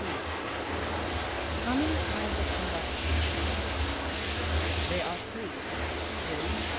How many kinds of combustion are there? There are three, viz.